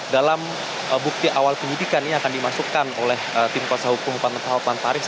dalam bukti awal penyidikannya akan dimasukkan oleh tim konseh hukum hukuman taris